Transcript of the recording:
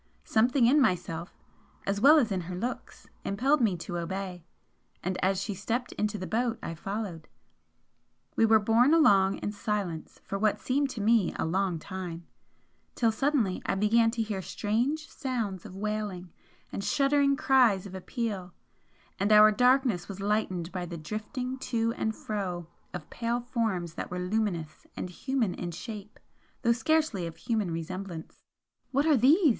Something in myself, as well as in her looks, impelled me to obey, and as she stepped into the boat I followed. We were borne along in silence for what seemed to me a long time, till suddenly I began to hear strange sounds of wailing, and shuddering cries of appeal, and our darkness was lightened by the drifting to and fro of pale forms that were luminous and human in shape though scarcely of human resemblance. "What are these?"